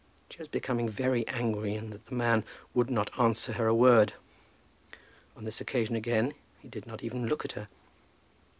She was becoming very angry in that the man would not answer her a word. On this occasion again he did not even look at her.